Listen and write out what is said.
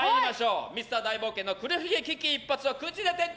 ミスター大冒険。の黒ひげ危機一髪を口で。